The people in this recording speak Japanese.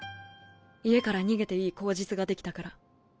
家から逃げていい口実が出来たから。